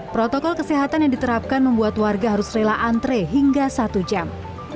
protokol kesehatan yang diterapkan membuat warga harus rela antre hingga satu jam